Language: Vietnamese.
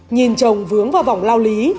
nhìn chồng vướng vào vòng lao lý